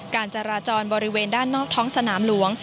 การจราจรบริเวณด้านนอกท้องสนามหลวง